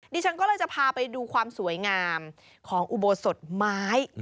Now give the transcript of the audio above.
ดิฉันก็เลยจะพาไปดูความสวยงามของอุโบสถไม้